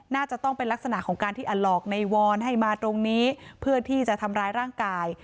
น่าจะต้องเป็นลักษณะของการที่หลอกในวอนให้มาตรงนี้เพื่อที่จะทำร้ายร่างกาย